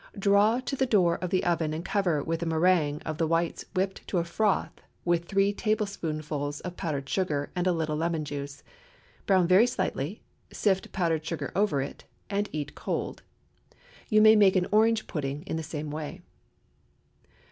Draw to the door of the oven and cover with a méringue of the whites whipped to a froth with three tablespoonfuls of powdered sugar, and a little lemon juice. Brown very slightly; sift powdered sugar over it, and eat cold. You may make an orange pudding in the same way.